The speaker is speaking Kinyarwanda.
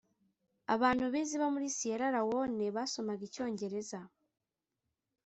Abantu bize bo muri Siyera Lewone basomaga icyongereza